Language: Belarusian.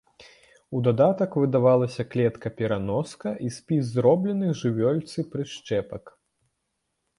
У дадатак выдавалася клетка-пераноска і спіс зробленых жывёлцы прышчэпак.